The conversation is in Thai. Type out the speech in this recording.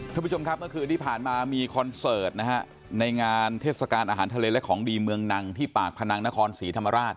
ท่านผู้ชมครับเมื่อคืนที่ผ่านมามีคอนเสิร์ตนะฮะในงานเทศกาลอาหารทะเลและของดีเมืองนังที่ปากพนังนครศรีธรรมราช